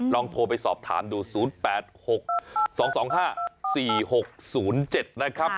ลองโทรไปสอบถามดู๐๘๖๒๒๕๔๖๐๗นะครับ